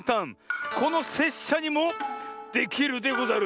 このせっしゃにもできるでござる。